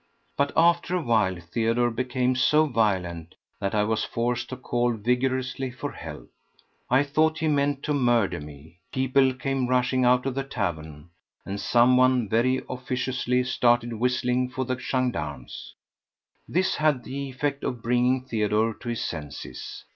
But after a while Theodore became so violent that I was forced to call vigorously for help. I thought he meant to murder me. People came rushing out of the tavern, and someone very officiously started whistling for the gendarmes. This had the effect of bringing Theodore to his senses.